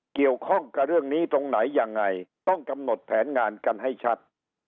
เกี่ยวข้องกับเรื่องนี้ตรงไหนยังไงต้องกำหนดแผนงานกันให้ชัด